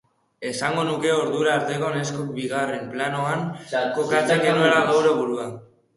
Esango nuke ordura arteko neskok bigarren planoan kokatzen genuela geure burua.